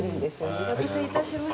お待たせいたしました。